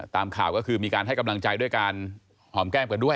ตามข่าวก็คือมีการให้กำลังใจด้วยการหอมแก้มกันด้วย